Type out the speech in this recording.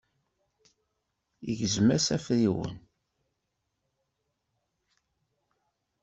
Igzem-as afriwen.